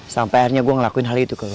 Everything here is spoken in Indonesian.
sampai akhirnya gue ngelakuin hal itu ke lo